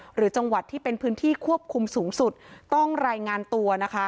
หรือจังหวัดที่เป็นพื้นที่ควบคุมสูงสุดต้องรายงานตัวนะคะ